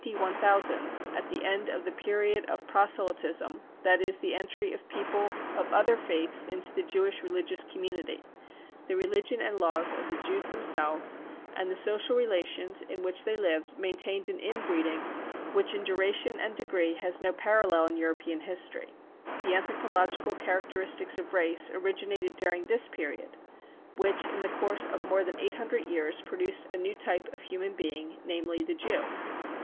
1000, at the end of the period of proselytism (that is, the entry of people of other faiths into the Jewish religious community), the religion and laws of the Jews themselves, and the social relations in THE PERSECUTION OF JEWS 279 which they lived, maintained an " in breeding 55 which in duration and degree has no parallel in European history. The anthropological characteristics of race originated dur ing this period, which in the course of more than eight hundred years produced a new type of human being, namely, the Jew.